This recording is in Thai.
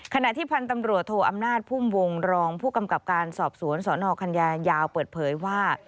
ขณะที่พันธ์ตำรวจโทอำนาจพุ่มวงรองผู้กำกับการสอบสวนสนคันยาวเปิดเผยว่า